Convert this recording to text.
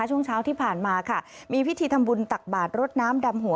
ช่วงเช้าที่ผ่านมาค่ะมีพิธีทำบุญตักบาทรดน้ำดำหัว